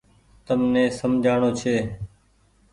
تم ني سمجهآڻو ڇي۔